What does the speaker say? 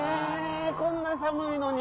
こんなさむいのに。